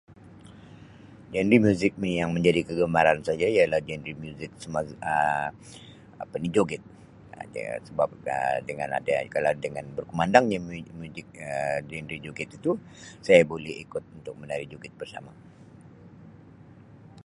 Genre muzik yang menjadi kegemaran saya ialah genre muzik sumaz- Um apa ni joget. Um Dia sebab Um dengan adanya- kalau dengan berkumandangnya muzik-muzik Um genre joget itu saya boleh ikut untuk menari joget bersama.